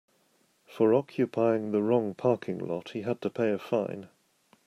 For occupying the wrong parking lot he had to pay a fine.